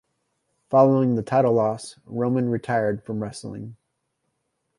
Following the title loss, Roman retired from wrestling.